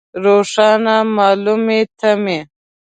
روښانه مالومې تمې.